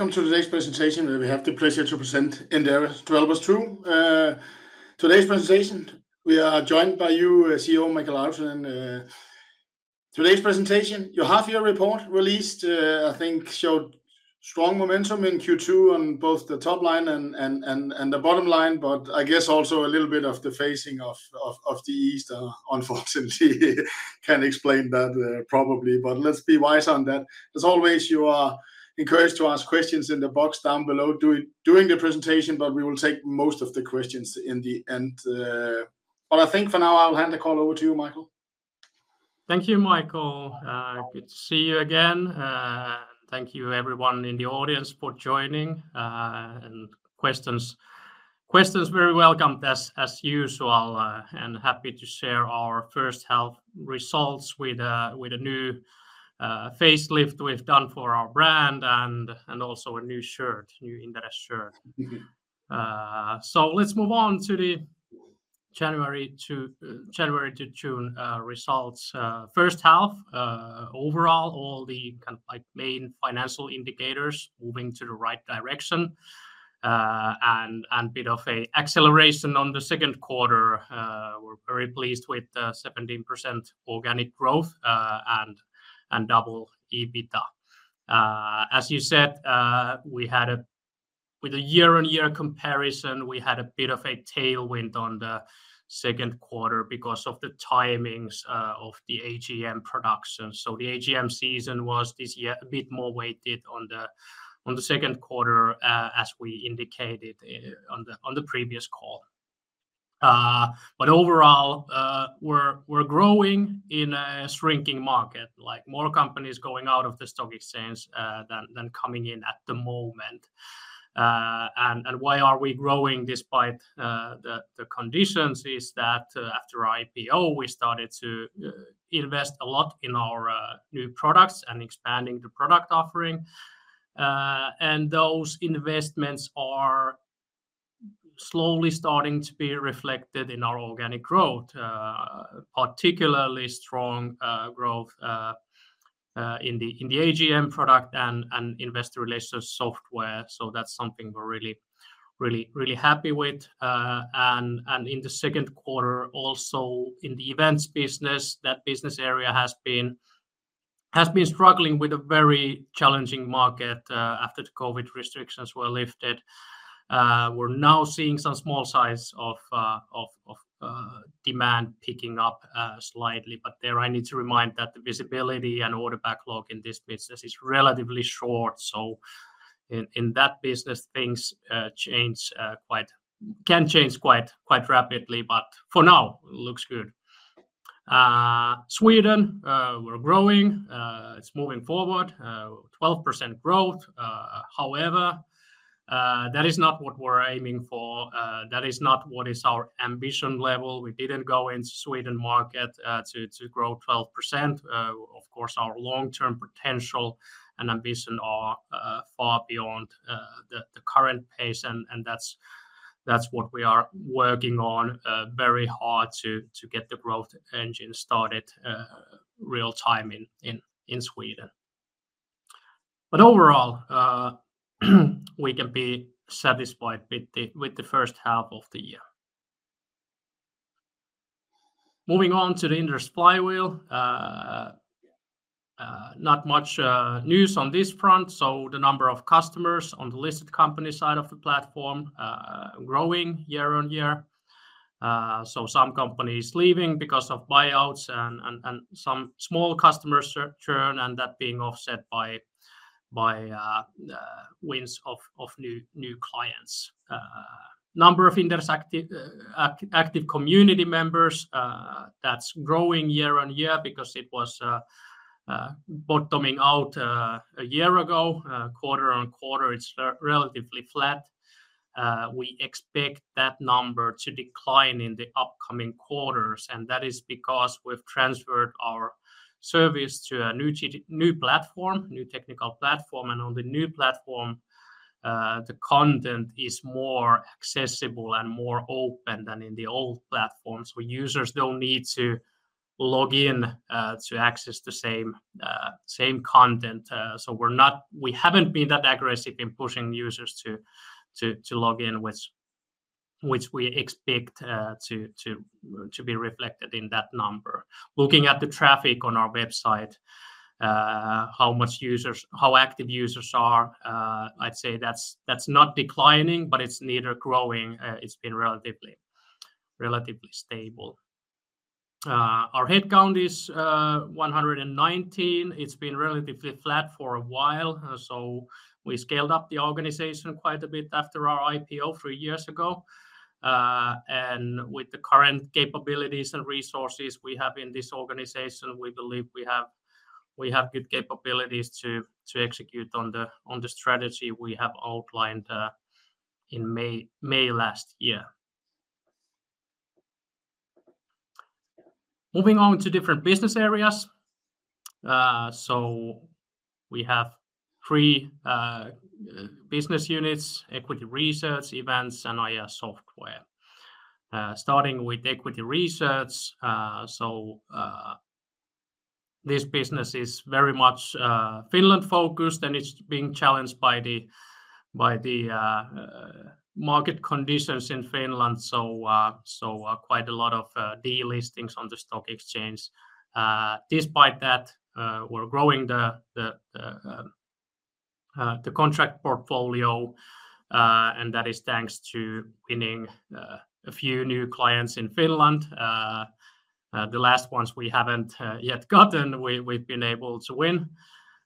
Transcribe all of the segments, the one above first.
Welcome to today's presentation, where we have the pleasure to present Inderes to all of us too. Today's presentation, we are joined by you, CEO Mikael Rautanen. Today's presentation, your half year report released, I think showed strong momentum in Q2 on both the top line and the bottom line, but I guess also a little bit of the facing off, of the East, unfortunately can explain that probably. Let's be wise on that. As always, you are encouraged to ask questions in the box down below during the presentation, but we will take most of the questions in the end. I think for now, I'll hand the call over to you, Mikael. Thank you, Mikael. Good to see you again. Thank you everyone in the audience for joining, and questions very welcomed as usual, and happy to share our first half results with a new facelift we've done for our brand and also a new Inderes shirt. Let's move on to the January to June results. First half, overall, all the main financial indicators moving to the right direction, and bit of an acceleration on the second quarter. We're very pleased with 17% organic growth, and double EBITDA. As you said, with a year-on-year comparison, we had a bit of a tailwind on the second quarter because of the timings of the AGM production. The AGM season was this year a bit more weighted on the second quarter, as we indicated on the previous call. Overall, we're growing in a shrinking market, more companies going out of the stock exchange than coming in at the moment. Why are we growing despite the conditions is that after IPO, we started to invest a lot in our new products and expanding the product offering. Those investments are slowly starting to be reflected in our organic growth, particularly strong growth in the AGM product and investor relations software. That's something we're really happy with. In the second quarter, also in the events business, that business area has been struggling with a very challenging market after the COVID restrictions were lifted. We're now seeing some small signs of demand picking up slightly, but there I need to remind that the visibility and order backlog in this business is relatively short. In that business, things can change quite rapidly. For now, looks good. Sweden, we're growing. It's moving forward, 12% growth. However, that is not what we're aiming for. That is not what is our ambition level. We didn't go in Sweden market to grow 12%. Of course, our long-term potential and ambition are far beyond the current pace, and that's what we are working on very hard to get the growth engine started real time in Sweden. Overall, we can be satisfied with the first half of the year. Moving on to the Inderes Flywheel. Not much news on this front. The number of customers on the listed company side of the platform growing year-on-year. Some companies leaving because of buyouts and some small customers churn, and that being offset by wins of new clients. Number of Inderes active community members, that's growing year-on-year because it was bottoming out a year ago. Quarter-on-quarter, it's relatively flat. We expect that number to decline in the upcoming quarters. That is because we've transferred our service to a new technical platform. On the new platform, the content is more accessible and more open than in the old platforms, where users don't need to log in to access the same content. We haven't been that aggressive in pushing users to log in, which we expect to be reflected in that number. Looking at the traffic on our website, how active users are, I'd say that's not declining, but it's neither growing. It's been relatively stable. Our headcount is 119. It's been relatively flat for a while. We scaled up the organization quite a bit after our IPO three years ago. With the current capabilities and resources we have in this organization, we believe we have good capabilities to execute on the strategy we have outlined in May last year. Moving on to different business areas. We have 3 business units: equity research, events, and IR software. Starting with equity research, This business is very much Finland-focused. It's being challenged by the market conditions in Finland, quite a lot of delistings on the stock exchange. Despite that, we're growing the contract portfolio. That is thanks to winning a few new clients in Finland. The last ones we haven't yet gotten, we've been able to win,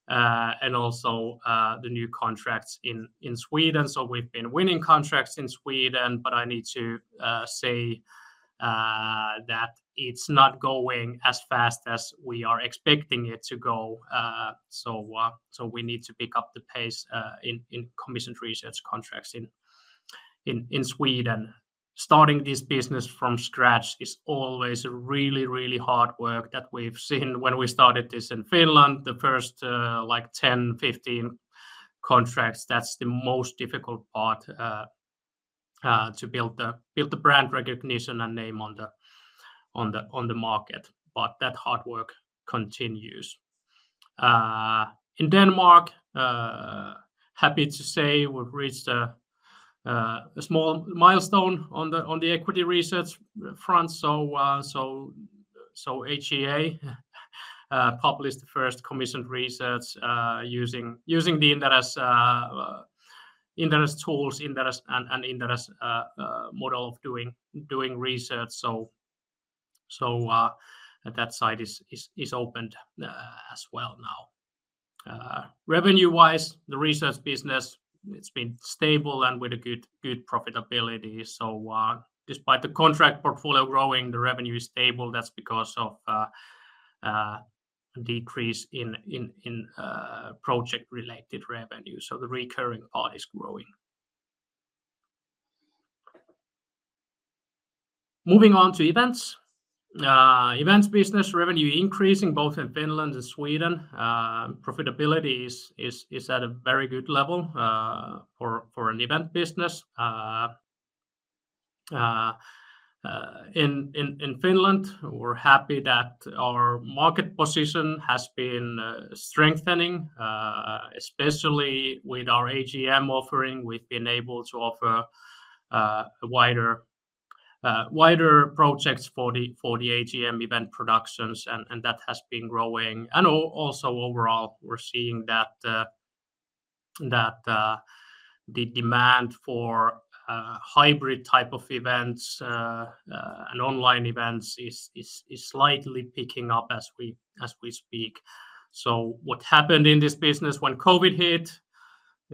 and also the new contracts in Sweden. We've been winning contracts in Sweden, but I need to say that it's not going as fast as we are expecting it to go. We need to pick up the pace in commissioned research contracts in Sweden. Starting this business from scratch is always really hard work that we've seen when we started this in Finland. The first 10, 15 contracts, that's the most difficult part to build the brand recognition and name on the market. That hard work continues. In Denmark, happy to say we've reached a small milestone on the equity research front. HCA published the first commissioned research using the Inderes tools and Inderes model of doing research. That side is opened as well now. Revenue-wise, the research business, it's been stable and with a good profitability. Despite the contract portfolio growing, the revenue is stable. That's because of a decrease in project-related revenue. The recurring part is growing. Moving on to events. Events business revenue increasing both in Finland and Sweden. Profitability is at a very good level for an event business. In Finland, we're happy that our market position has been strengthening, especially with our AGM offering. We've been able to offer wider projects for the AGM event productions. That has been growing. Also overall, we're seeing that the demand for hybrid type of events and online events is slightly picking up as we speak. What happened in this business when COVID hit,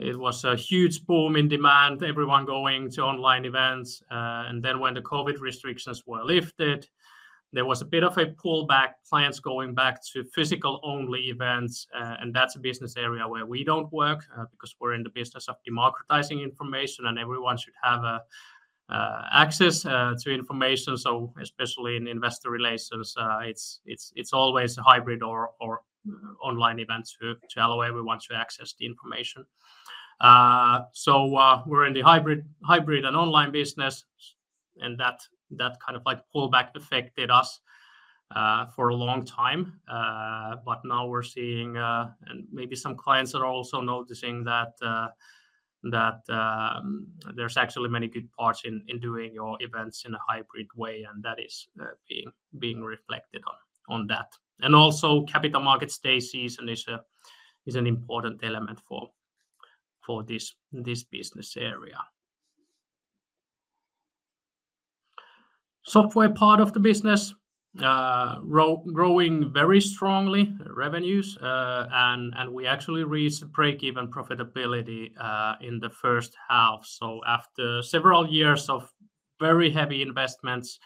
it was a huge boom in demand, everyone going to online events. Then when the COVID restrictions were lifted, there was a bit of a pullback, clients going back to physical-only events. That's a business area where we don't work because we're in the business of democratizing information, and everyone should have access to information. Especially in investor relations, it's always a hybrid or online events to allow everyone to access the information. We're in the hybrid and online business, that kind of pullback affected us for a long time. Now we're seeing, and maybe some clients are also noticing that there's actually many good parts in doing your events in a hybrid way, and that is being reflected on that. Also Capital Markets Day season is an important element for this business area. Software part of the business growing very strongly, revenues. We actually reached breakeven profitability in the first half. After several years of very heavy investments,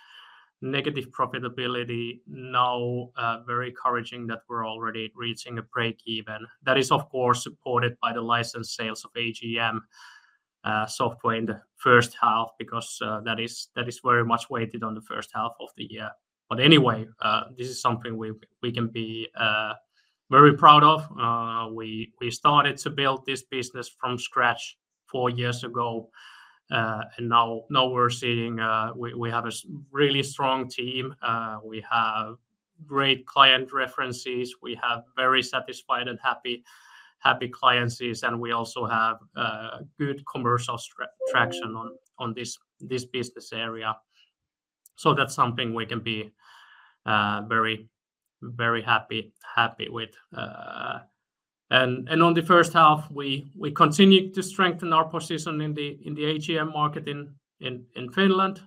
negative profitability, now very encouraging that we're already reaching a breakeven. That is, of course, supported by the license sales of AGM Software in the first half because that is very much weighted on the first half of the year. Anyway, this is something we can be very proud of. We started to build this business from scratch four years ago, now we're seeing we have a really strong team. We have great client references. We have very satisfied and happy client bases, and we also have good commercial traction on this business area. That's something we can be very happy with. On the first half, we continued to strengthen our position in the AGM market in Finland.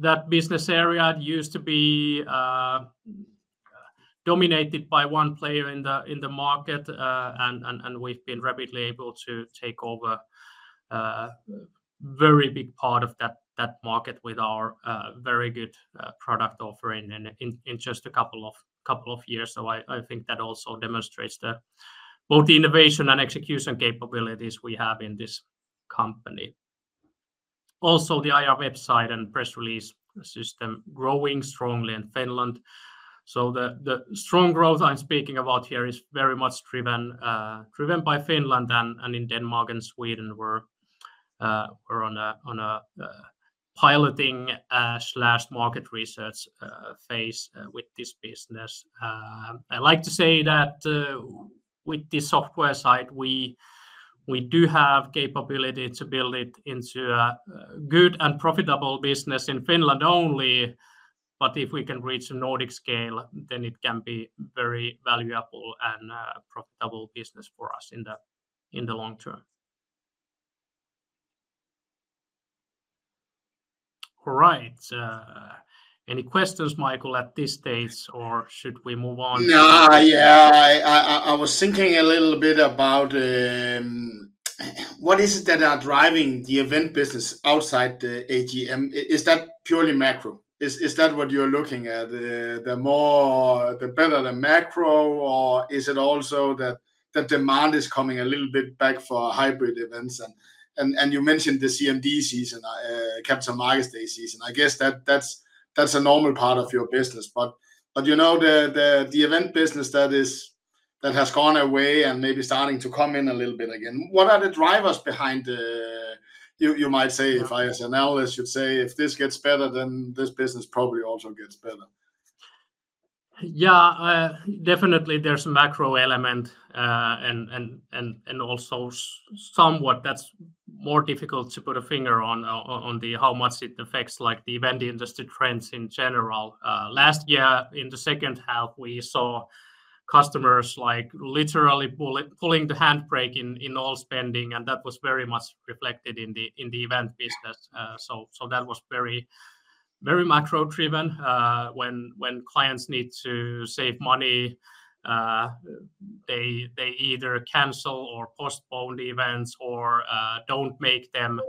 That business area used to be dominated by one player in the market, and we've been rapidly able to take over a very big part of that market with our very good product offering in just a couple of years. I think that also demonstrates both the innovation and execution capabilities we have in this company. Also, the IR website and press release system growing strongly in Finland. The strong growth I'm speaking about here is very much driven by Finland and in Denmark and Sweden we're on a piloting/market research phase with this business. I like to say that with the software side, we do have capability to build it into a good and profitable business in Finland only, but if we can reach a Nordic scale, then it can be very valuable and profitable business for us in the long term. All right. Any questions, Mikael, at this stage, or should we move on? No. I was thinking a little bit about what is it that are driving the event business outside the AGM. Is that purely macro? Is that what you're looking at? The better the macro, or is it also that the demand is coming a little bit back for hybrid events? You mentioned the CMD season, Capital Markets Day season. I guess that's a normal part of your business, the event business that has gone away and maybe starting to come in a little bit again, what are the drivers behind the You might say, if I as an analyst should say, "If this gets better, then this business probably also gets better. Yeah. Definitely there's a macro element, also somewhat that's more difficult to put a finger on the how much it affects the event industry trends in general. Last year in the second half, we saw customers literally pulling the handbrake in all spending, that was very much reflected in the event business. That was very macro-driven. When clients need to save money, they either cancel or postpone the events or don't make them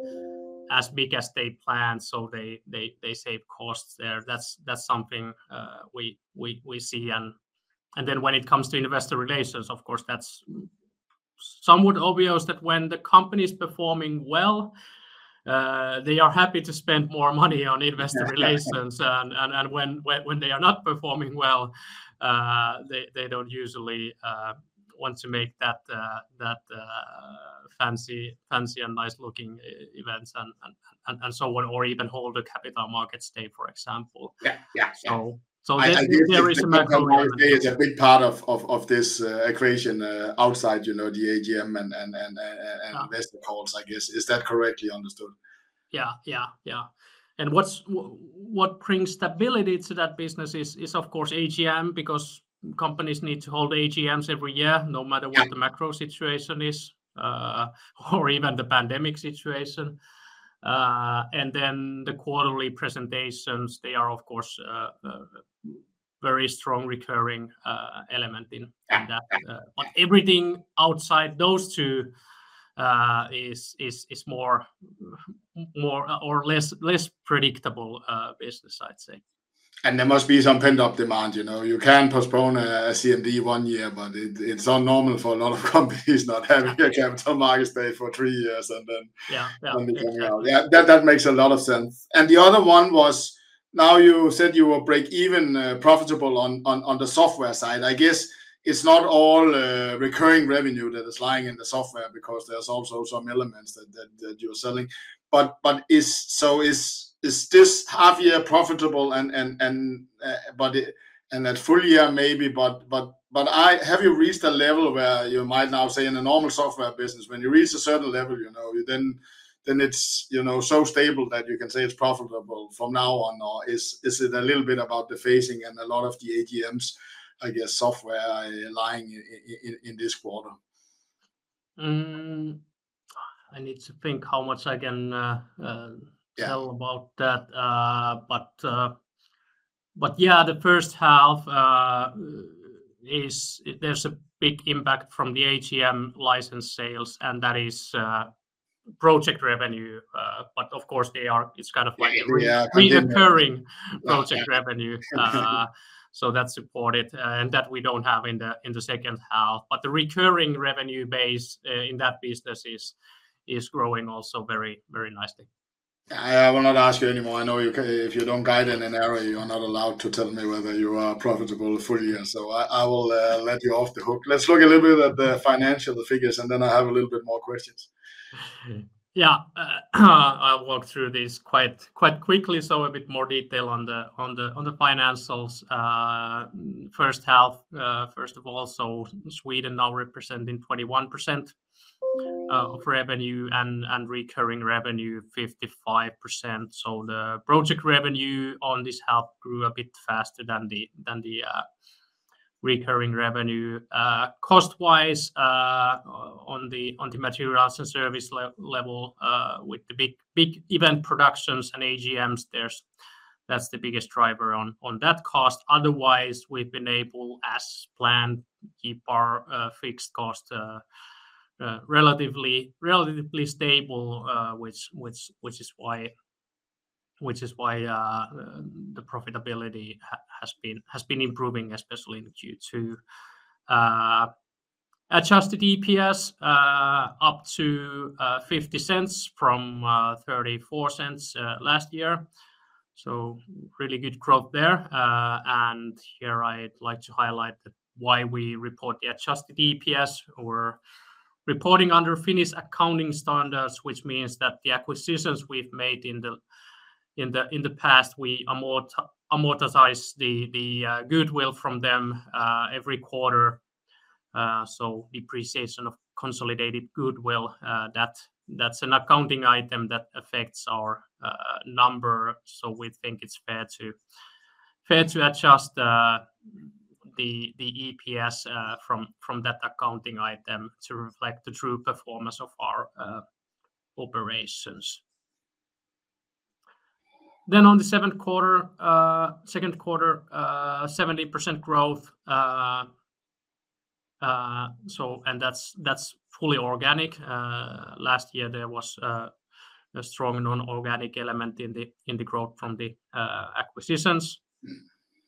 as big as they planned, so they save costs there. That's something we see. When it comes to investor relations, of course, that's somewhat obvious that when the company's performing well, they are happy to spend more money on investor relations. Yes. When they are not performing well, they don't usually want to make that fancy and nice-looking events and so on, or even hold a Capital Markets Day, for example. Yeah. There is a macro element. I get the Capital Markets Day is a big part of this equation outside the AGM and investor calls, I guess. Is that correctly understood? Yeah. What brings stability to that business is, of course, AGM, because companies need to hold AGMs every year, no matter what the macro situation is or even the pandemic situation. The quarterly presentations, they are, of course, very strong recurring element in that. Everything outside those two is more or less predictable business, I'd say. There must be some pent-up demand. You can postpone a CMD one year, but it's not normal for a lot of companies not having a Capital Markets Day for three years. Yeah. No, exactly. coming out. Yeah, that makes a lot of sense. The other one was, now you said you will break even profitable on the software side. I guess it's not all recurring revenue that is lying in the software because there's also some elements that you're selling. Is this half year profitable and that full year maybe, have you reached a level where you might now say in a normal software business, when you reach a certain level, then it's so stable that you can say it's profitable from now on? Is it a little bit about the phasing and a lot of the AGMs, I guess, software lying in this quarter? I need to think how much I can- Yeah tell about that. Yeah, the first half there's a big impact from the AGM license sales, and that is project revenue. Of course they are It's kind of like- Yeah. reoccurring project revenue. Yeah. That supported, and that we don't have in the second half. The recurring revenue base in that business is growing also very nicely. I will not ask you anymore. I know if you don't guide in an area, you are not allowed to tell me whether you are profitable full year. I will let you off the hook. Let's look a little bit at the financial figures, I have a little bit more questions. Yeah. I'll walk through this quite quickly, a bit more detail on the financials. First half, first of all, Sweden now representing 21% of revenue and recurring revenue 55%. The project revenue on this half grew a bit faster than the recurring revenue. Cost-wise, on the materials and service level, with the big event productions and AGMs, that's the biggest driver on that cost. Otherwise, we've been able, as planned, keep our fixed cost relatively stable, which is why the profitability has been improving, especially in Q2. Adjusted EPS up to 0.50 from 0.34 last year. Really good growth there. Here I'd like to highlight that why we report the adjusted EPS or reporting under Finnish Accounting Standards, which means that the acquisitions we've made in the past, we amortize the goodwill from them every quarter. Depreciation of consolidated goodwill that's an accounting item that affects our number. We think it's fair to adjust the EPS from that accounting item to reflect the true performance of our operations. On the second quarter, 17% growth, and that's fully organic. Last year there was a strong non-organic element in the growth from the acquisitions,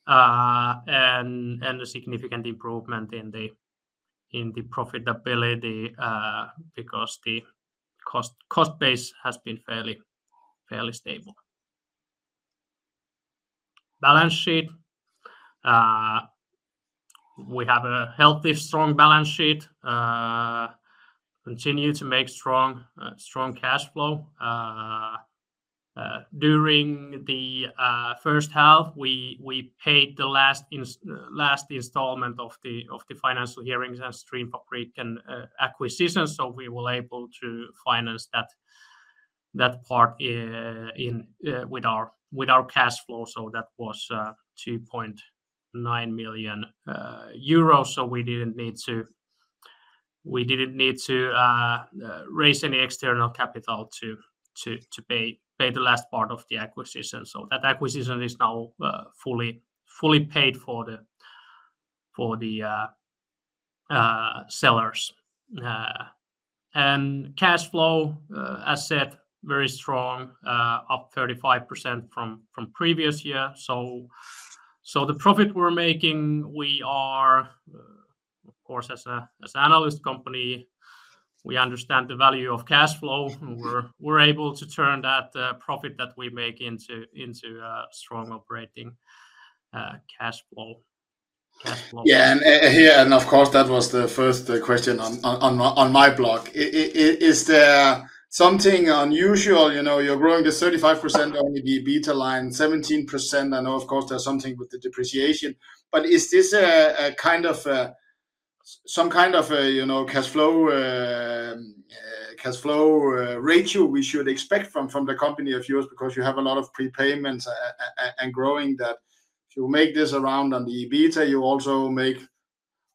and a significant improvement in the profitability, because the cost base has been fairly stable. Balance sheet. We have a healthy, strong balance sheet. Continue to make strong cash flow. During the first half, we paid the last installment of the Financial Hearings and Streamfabriken acquisition. We were able to finance that part with our cash flow. That was 2.9 million euros. We didn't need to raise any external capital to pay the last part of the acquisition. That acquisition is now fully paid for the sellers. Cash flow is very strong, up 35% from previous year. The profit we're making, we are of course as an analyst company, we understand the value of cash flow. We're able to turn that profit that we make into strong operating cash flow. Of course that was the first question on my blog. Is there something unusual? You're growing this 35% on the EBITDA line, 17%. I know of course there's something with the depreciation, is this some kind of cash flow ratio we should expect from the company of yours because you have a lot of prepayments and growing that if you make this around on the EBITDA, you also make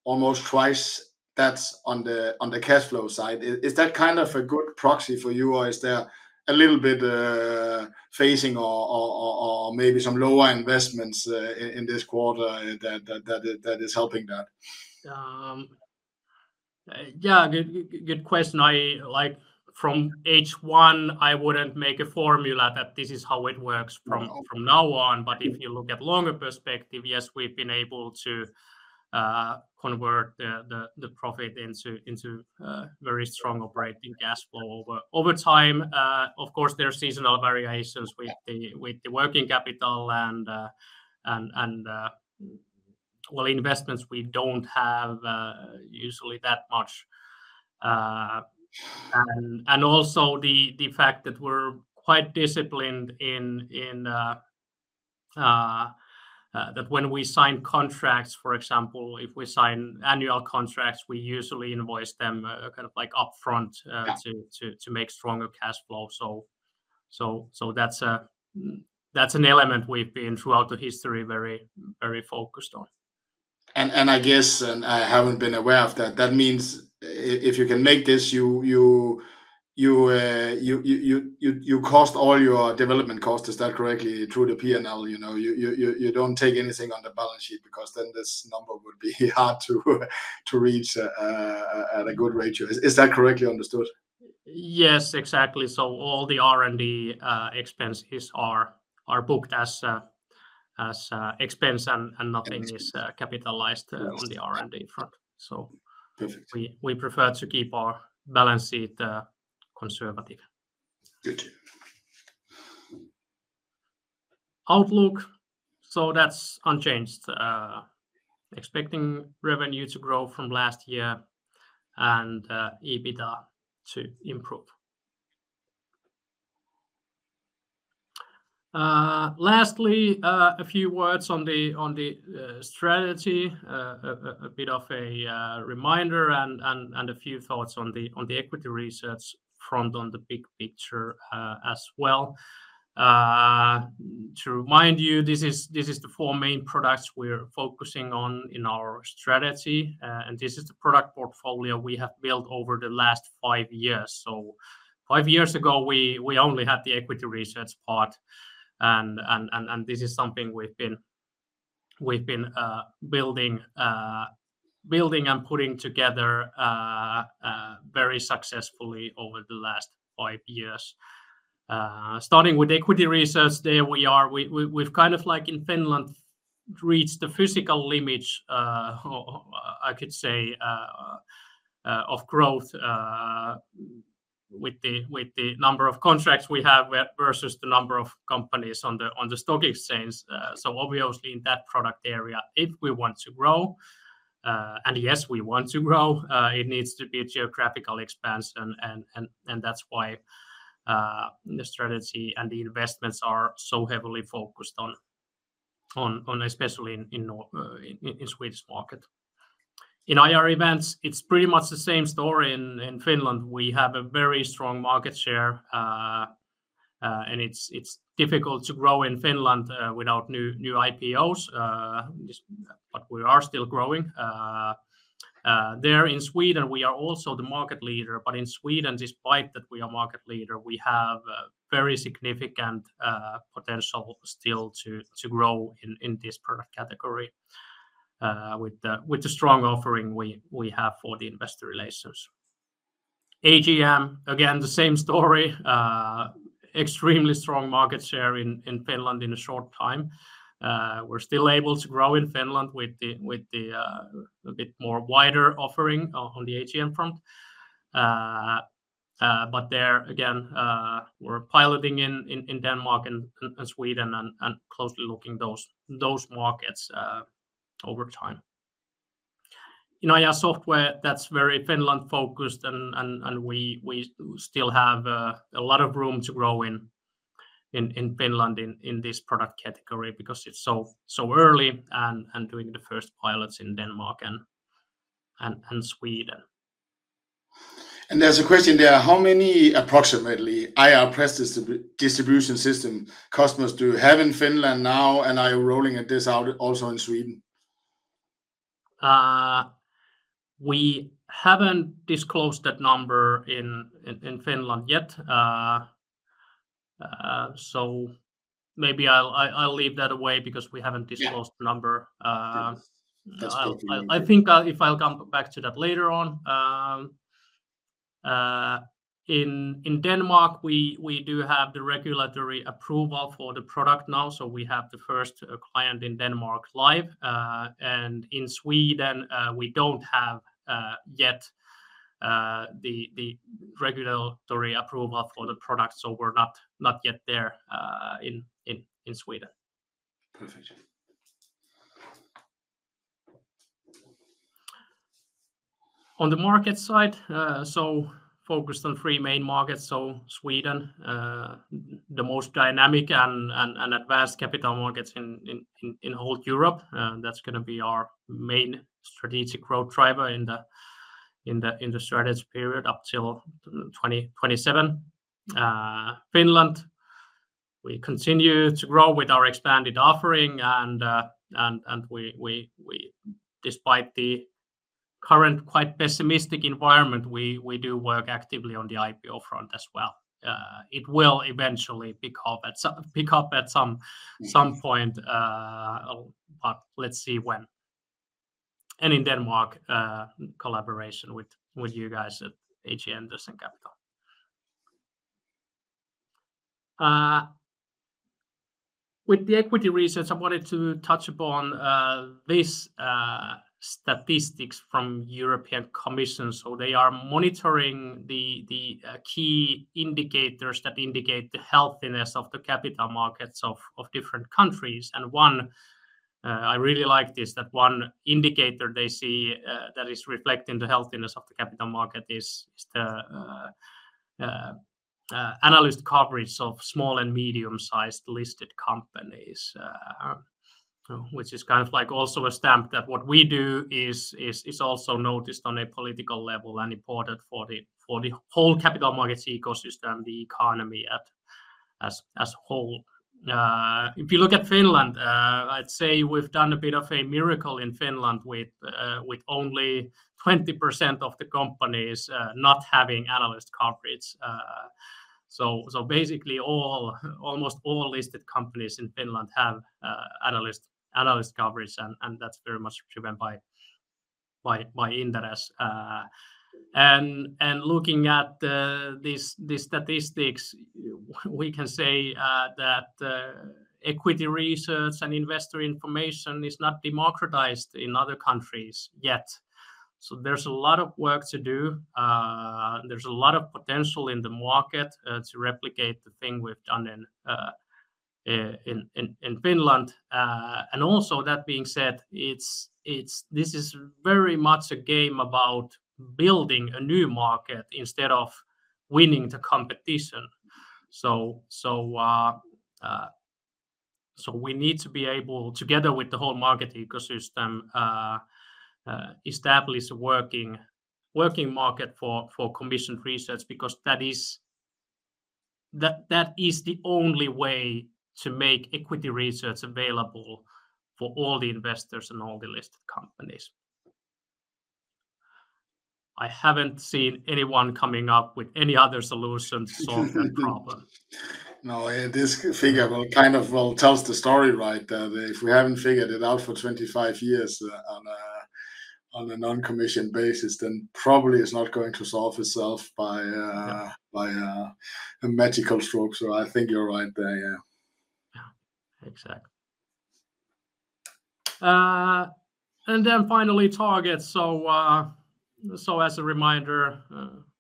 almost twice that on the cash flow side. Is that kind of a good proxy for you or is there a little bit phasing or maybe some lower investments in this quarter that is helping that? Good question. From H1, I wouldn't make a formula that this is how it works from now on. If you look at longer perspective, yes, we've been able to convert the profit into very strong operating cash flow over time. Of course, there are seasonal variations with the working capital and well investments we don't have usually that much. Also the fact that we're quite disciplined in that when we sign contracts, for example, if we sign annual contracts, we usually invoice them upfront to make stronger cash flow. That's an element we've been throughout the history very focused on. I guess, I haven't been aware of that means if you can make this, you cost all your development cost, is that correctly through the P&L? You don't take anything on the balance sheet because then this number would be hard to reach at a good ratio. Is that correctly understood? Yes, exactly. All the R&D expenses are booked as expense and nothing is capitalized on the R&D front. Perfect We prefer to keep our balance sheet conservative. Good. Outlook, that's unchanged. Expecting revenue to grow from last year and EBITDA to improve. Lastly, a few words on the strategy. A bit of a reminder and a few thoughts on the equity research front on the big picture as well. To remind you, this is the four main products we're focusing on in our strategy. This is the product portfolio we have built over the last five years. Five years ago we only had the equity research part and this is something we've been building and putting together very successfully over the last five years. Starting with equity research, there we are. We've, in Finland, reached the physical limits, I could say, of growth with the number of contracts we have versus the number of companies on the stock exchange. Obviously in that product area, if we want to grow, and yes, we want to grow, it needs to be a geographical expansion. That's why the strategy and the investments are so heavily focused on, especially in Swedish market. In IR events, it's pretty much the same story in Finland. We have a very strong market share. It's difficult to grow in Finland without new IPOs, but we are still growing. There in Sweden, we are also the market leader. In Sweden, despite that we are market leader, we have very significant potential still to grow in this product category with the strong offering we have for the investor relations. AGM, again, the same story. Extremely strong market share in Finland in a short time. We're still able to grow in Finland with the a bit more wider offering on the AGM front. There, again, we're piloting in Denmark and Sweden and closely looking those markets over time. In IR software, that's very Finland-focused. We still have a lot of room to grow in Finland in this product category because it's so early and doing the first pilots in Denmark and Sweden. There's a question there, how many approximately IR press distribution system customers do you have in Finland now and are you rolling this out also in Sweden? We haven't disclosed that number in Finland yet. Maybe I'll leave that away because we haven't disclosed the number. Yes. That's totally okay. I think I'll come back to that later on. In Denmark, we do have the regulatory approval for the product now, so we have the first client in Denmark live. In Sweden, we don't have yet the regulatory approval for the product, so we're not yet there in Sweden. Perfect. On the market side, focused on three main markets. Sweden, the most dynamic and advanced capital markets in whole Europe. That's going to be our main strategic growth driver in the strategy period up till 2027. Finland, we continue to grow with our expanded offering, and despite the current quite pessimistic environment, we do work actively on the IPO front as well. It will eventually pick up at some point, but let's see when. In Denmark, collaboration with you guys at HC Andersen Capital. With the equity research, I wanted to touch upon these statistics from European Commission. They are monitoring the key indicators that indicate the healthiness of the capital markets of different countries. I really like this, that one indicator they see that is reflecting the healthiness of the capital market is the analyst coverage of small and medium-sized listed companies, which is also a stamp that what we do is also noticed on a political level and important for the whole capital markets ecosystem, the economy as whole. If you look at Finland, I'd say we've done a bit of a miracle in Finland with only 20% of the companies not having analyst coverage. Basically almost all listed companies in Finland have analyst coverage, and that's very much driven by Inderes. Looking at these statistics, we can say that equity research and investor information is not democratized in other countries yet. There's a lot of work to do. There's a lot of potential in the market to replicate the thing we've done in Finland. That being said, this is very much a game about building a new market instead of winning the competition. We need to be able, together with the whole market ecosystem, establish a working market for commission research, because that is the only way to make equity research available for all the investors and all the listed companies. I haven't seen anyone coming up with any other solution to solve that problem. No, this figure tells the story right there. If we haven't figured it out for 25 years on a non-commission basis, probably it's not going to solve itself by a magical stroke. I think you're right there, yeah. Yeah, exactly. Finally, targets. As a reminder,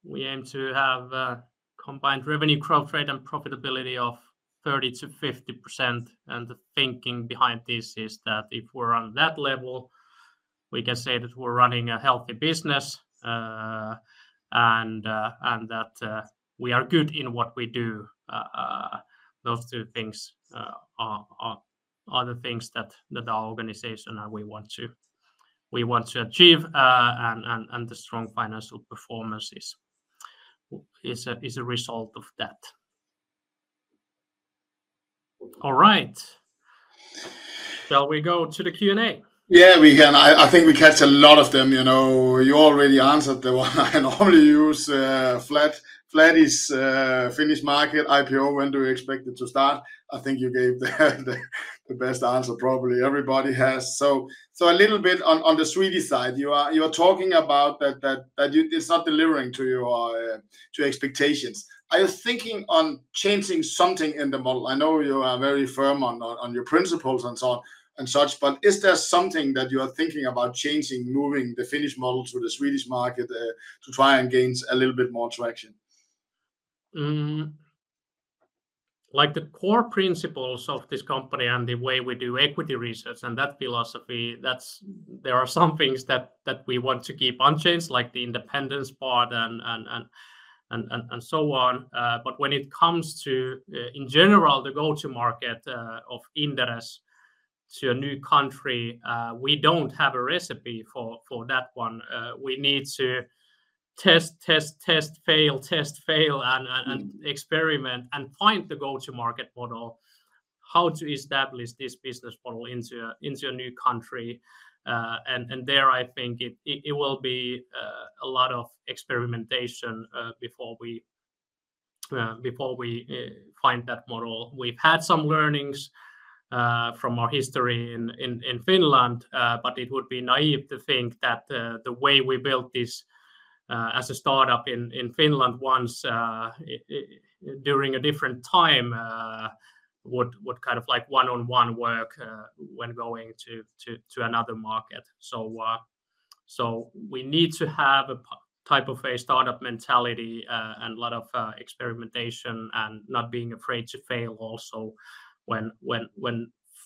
we aim to have a combined revenue growth rate and profitability of 30%-50%. The thinking behind this is that if we're on that level, we can say that we're running a healthy business, and that we are good in what we do. Those two things are the things that our organization and we want to achieve, and the strong financial performance is a result of that. All right. Shall we go to the Q&A? Yeah, we can. I think we catch a lot of them. You already answered the one I normally use. Flat is Finnish market IPO. When do we expect it to start? I think you gave the best answer probably everybody has. A little bit on the Swedish side. You are talking about that it's not delivering to expectations. Are you thinking on changing something in the model? I know you are very firm on your principles and such, but is there something that you are thinking about changing, moving the Finnish model to the Swedish market to try and gain a little bit more traction? The core principles of this company and the way we do equity research and that philosophy, there are some things that we want to keep unchanged, like the independence part and so on. When it comes to, in general, the go-to market of Inderes to a new country, we don't have a recipe for that one. We need to test, test, fail, test, fail, and experiment and find the go-to-market model, how to establish this business model into a new country. There, I think it will be a lot of experimentation before we find that model. We've had some learnings from our history in Finland, but it would be naive to think that the way we built this as a startup in Finland once during a different time would one-on-one work when going to another market. We need to have a type of a startup mentality and a lot of experimentation and not being afraid to fail also when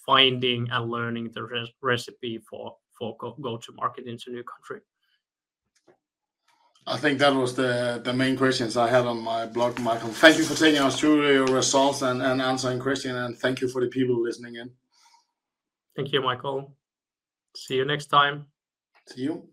finding and learning the recipe for go-to-market into new country. I think that was the main questions I had on my blog, Mikael. Thank you for taking us through your results and answering questions, and thank you for the people listening in. Thank you, Mikael. See you next time. See you.